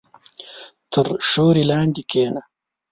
• تر سیوري لاندې کښېنه.